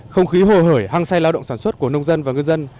không khí hồ hởi hăng say lao động sản xuất của nông dân và ngư dân